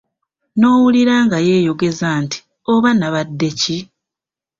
N'owulira nga yeeyogeza nti, oba nnabadde ki?